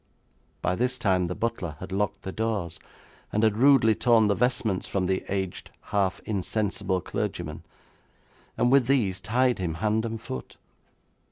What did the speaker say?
By this time the butler had locked the doors, and had rudely torn the vestments from the aged, half insensible clergyman, and with these tied him hand and foot.